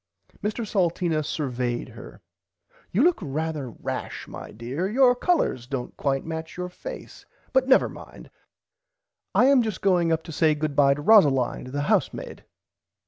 Mr Salteena survayed her. You look rarther rash my dear your colors dont quite match your face but never mind I am just going up to say goodbye to Rosalind the housemaid.